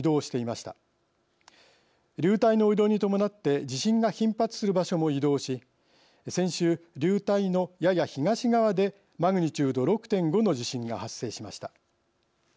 流体の移動に伴って地震が頻発する場所も移動し先週流体のやや東側でマグニチュード６．５の地震が発生しました。